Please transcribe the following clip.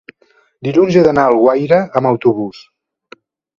dilluns he d'anar a Alguaire amb autobús.